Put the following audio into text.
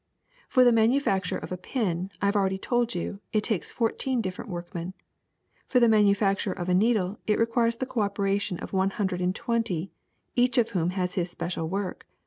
For the manu facture of a pin, I have already told you, it takes fourteen different workmen ; for the manufacture of a needle it requires the cooperation of one hundred and twenty, each of whom has his special work.